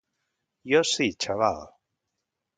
Jo sí, xaval.